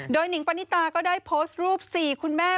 โดยหนิงปณิตาก็ได้โพสต์รูป๔คุณแม่